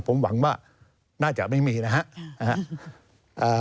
ผมหวังว่าน่าจะไม่มีนะครับ